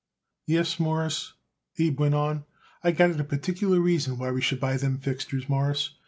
"Yes, Mawruss," Abe went on, "I got it a particular reason why we should buy them fixtures, Mawruss.